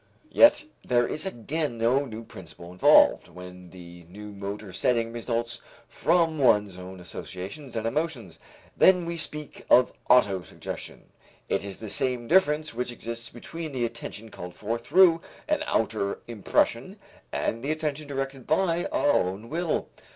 Yet there is again no new principle involved, when the new motor setting results from one's own associations and emotions. Then we speak of auto suggestion. It is the same difference which exists between the attention called forth through an outer impression and the attention directed by our own will.